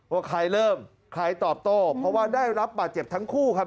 ว่าใครเริ่มใครตอบโต้เพราะว่าได้รับบาดเจ็บทั้งคู่ครับ